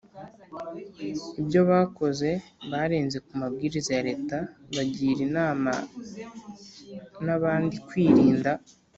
ibyo bakoze barenze ku mabwiriza ya Leta bagira inama n’abandi kwirinda